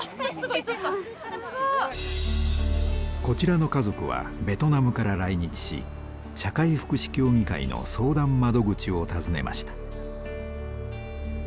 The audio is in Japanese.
こちらの家族はベトナムから来日し社会福祉協議会の相談窓口を訪ねました。